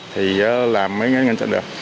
thì là mới ngăn chặn được